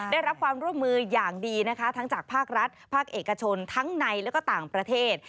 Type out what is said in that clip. ได้รับความร่วมมืออย่างดีนะคะทั้งจากภาครัฐภาคเอกชนทั้งในและก็ต่างประเทศ